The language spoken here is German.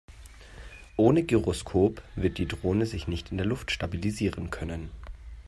Ohne Gyroskop wird die Drohne sich nicht in der Luft stabilisieren können.